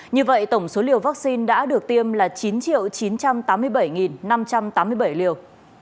như vậy tổng số liều vaccine đã được tiêm là chín chín trăm tám mươi bảy năm trăm tám mươi bảy liều